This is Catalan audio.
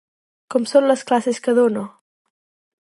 Com són les classes que dona?